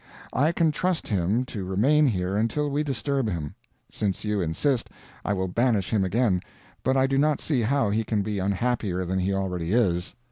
I can trust him to remain here until we disturb him. Since you insist, I will banish him again, but I do not see how he can be unhappier than he already is.